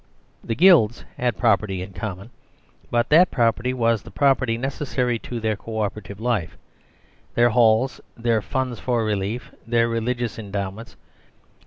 The Guilds had pro perty in common, but that property was the property necessary to their co operative life, their Halls, their Funds for Relief, their Religious Endowments.